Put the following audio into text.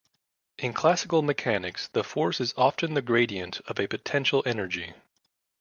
In classical mechanics the force is often the gradient of a potential energy.